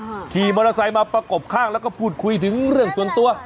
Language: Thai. ขี่มอเตอร์ไซค์มาประกบข้างแล้วก็พูดคุยถึงเรื่องส่วนตัว